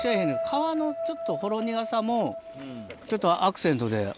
皮のちょっとほろ苦さもちょっとアクセントで。